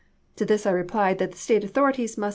To this I replied that the State authorities must